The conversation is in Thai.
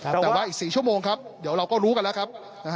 แต่ว่าอีก๔ชั่วโมงครับเดี๋ยวเราก็รู้กันแล้วครับ